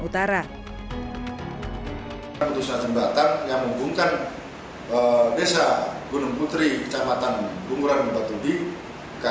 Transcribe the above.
utara perusahaan jembatan yang menghubungkan desa gunung putri kecamatan bunguran batubi keberadaan